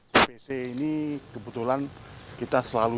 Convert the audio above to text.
dpc ini kebetulan kita selalu